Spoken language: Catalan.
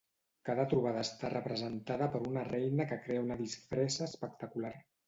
Cada trobada està representada per una reina que crea una disfressa espectacular.